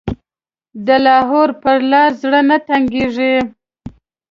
د لاهور په لاره زړه نه تنګېږي.